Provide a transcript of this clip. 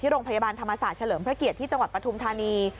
โรงพยาบาลธรรมศาสตร์เฉลิมพระเกียรติที่จังหวัดปฐุมธานี